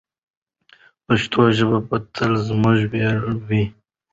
پښتو ژبه به تل زموږ ویاړ وي.